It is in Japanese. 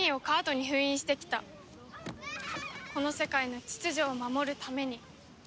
この世界の秩序を守るために。